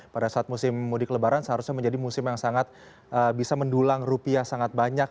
pada saat musim mudik lebaran seharusnya menjadi musim yang sangat bisa mendulang rupiah sangat banyak